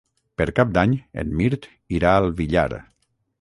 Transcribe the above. Per Cap d'Any en Mirt irà al Villar.